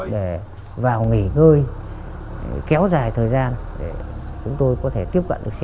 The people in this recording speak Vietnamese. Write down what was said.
để vào nghỉ ngơi kéo dài thời gian để chúng tôi có thể tiếp cận được